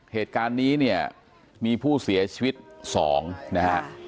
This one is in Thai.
เหตุการณ์นี้เนี่ยมีผู้เสียชีวิต๒นะฮะ